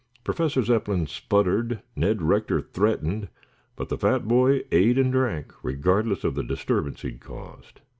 Professor Zepplin sputtered, Ned Rector threatened, but the fat boy ate and drank, regardless of the disturbance he had caused.